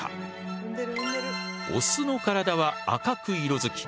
オスの体は赤く色づき